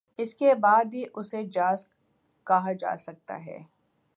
اس کے بعد ہی اسے جائز کہا جا سکتا ہے